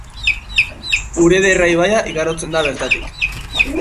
Urederra ibaia igarotzen da bertatik.